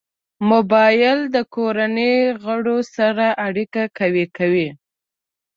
موبایل د کورنۍ غړو سره اړیکه قوي کوي.